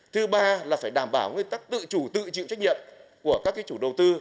thứ ba là phải đảm bảo nguyên tắc tự chủ tự chịu trách nhiệm của các chủ đầu tư